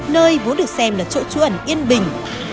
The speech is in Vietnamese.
nơi vốn được xem là chỗ trú ẩn yên bình